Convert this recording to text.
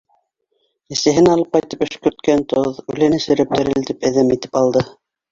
Әсәһен алып ҡайтып, өшкөрткән тоҙ, үлән эсереп, терелтеп, әҙәм итеп алды.